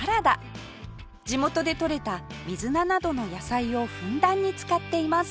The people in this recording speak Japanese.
地元でとれた水菜などの野菜をふんだんに使っています